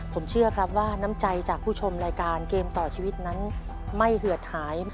ผมเชื่อครับว่าน้ำใจจากผู้ชมรายการเกมต่อชีวิตนั้นไม่เหือดหาย